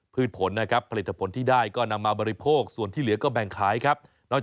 พืชผลนะครับ